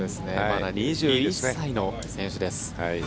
まだ２１歳の選手です。